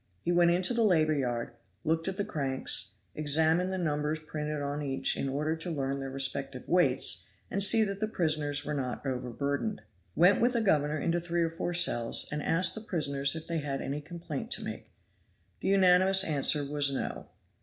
He went into the labor yard, looked at the cranks, examined the numbers printed on each in order to learn their respective weights, and see that the prisoners were not overburdened. Went with the governor into three or four cells, and asked the prisoners if they had any complaint to make. The unanimous answer was "No!"